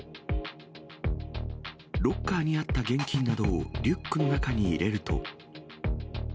ロッカーにあった現金などをリックの中に入れると。